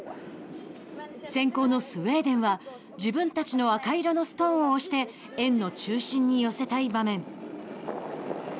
先攻のスウェーデンは自分たちの赤色のストーンを押して円の中心に寄せたい場面。